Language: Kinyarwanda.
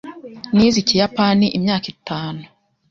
Nize Ikiyapani imyaka itanu.